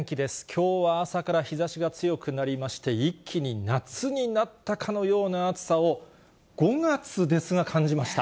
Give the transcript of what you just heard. きょうは朝から日ざしが強くなりまして、一気に夏になったかのような暑さを５月ですが、感じました。